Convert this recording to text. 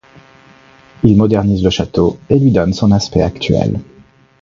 Il modernise le château et lui donne son aspect actuel.